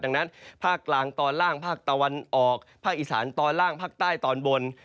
ดังนั้นภาคกลางตอนล่างภาคตะวันออกภาคอีสานตอนล่างภาคใต้ตอนบน